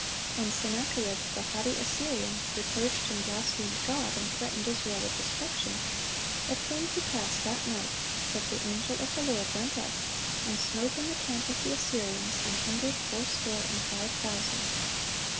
(903) When Sennacherib, the haughty Assyrian, reproached and blasphemed God, and threatened Israel with destruction, "it came to pass that night, that the angel of the Lord went out, and smote in the camp of the Assyrians an hundred fourscore and five thousand."